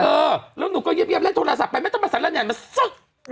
เออแล้วหนูก็เงียบเล่นโทรศัพท์ไปไม่ต้องมาสารแนนมาซึก